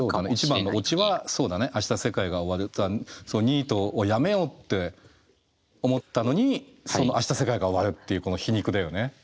１番のオチはそうだね明日世界が終わるニートをやめようって思ったのに明日世界が終わるっていうこの皮肉だよね。